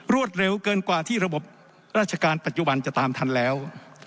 เร็วเกินกว่าที่ระบบราชการปัจจุบันจะตามทันแล้ว